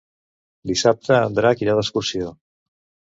Dissabte en Drac irà d'excursió.